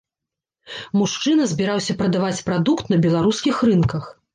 Мужчына збіраўся прадаваць прадукт на беларускіх рынках.